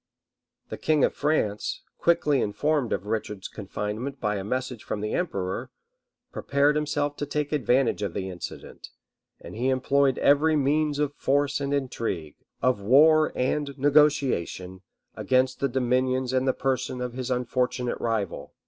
The king of France, quickly informed of Richard's confinement by a message from the emperor,[] prepared himself to take advantage of the incident; and he employed every means of force and intrigue, of war and negotiation, against the dominions and the person of his unfortunate rival.